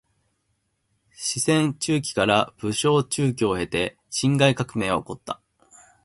四川蜂起から武昌蜂起を経て辛亥革命は起こった。